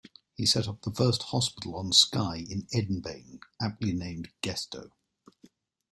He set up the first hospital on Skye in Edinbane, aptly named Gesto.